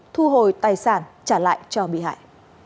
thu hồi tài sản trả lại cho bị hại